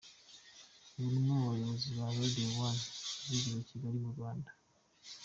Ubu ni umwe mu bayobozi ba Radio One, ivugira i Kigali mu Rwanda.